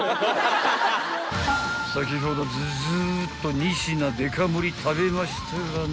［先ほどズズッと２品デカ盛り食べましたがね］